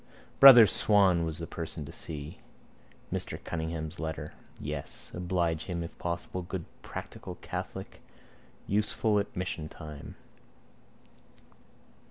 _ Brother Swan was the person to see. Mr Cunningham's letter. Yes. Oblige him, if possible. Good practical catholic: useful at mission time.